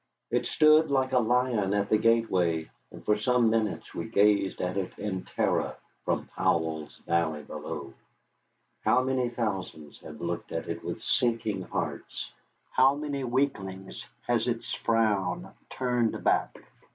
It stood like a lion at the gateway, and for some minutes we gazed at it in terror from Powell's Valley below. How many thousands have looked at it with sinking hearts! How many weaklings has its frown turned back!